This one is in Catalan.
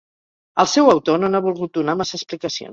El seu autor no n'ha volgut donar massa explicacions.